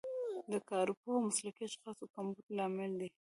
د کارپوه او مسلکي اشخاصو کمبود لامل دی.